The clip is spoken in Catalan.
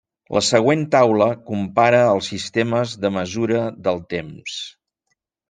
La següent taula compara els sistemes de mesura del temps.